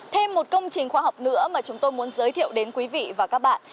thêm một công trình khoa học nữa mà chúng tôi muốn giới thiệu đến quý vị và các bạn